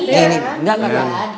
nih nih nggak enggak enggak